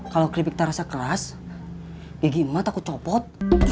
kalau keripik talasnya keras gigi emat aku copot